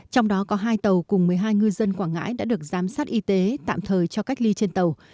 trong đó có hai tàu cùng một mươi hai ngư dân quảng ngãi đã được giám sát y tế tạm thời cho cách ly trên tàu